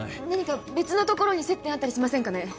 何か別のところに接点あったりしませんかね？